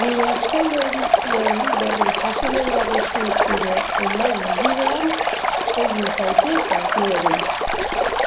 Gure azken edukien berri jaso nahi baduzu zure email helbidean, egin zaitez harpidedun.